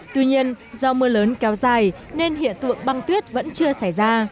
tuy nhiên do mưa lớn kéo dài nên hiện tượng băng tuyết vẫn chưa xảy ra